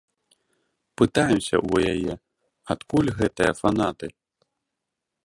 Пытаемся ў яе, адкуль гэтыя фанаты.